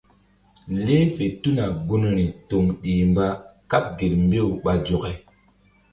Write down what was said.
Leh fe tuna gunri toŋ ɗih mba kaɓ gel mbew ɓa zɔke.